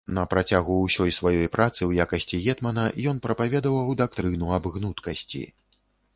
На працягу ўсёй сваёй працы ў якасці гетмана, ён прапаведаваў дактрыну аб гнуткасці.